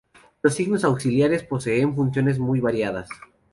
Los signos auxiliares poseen funciones muy variadas.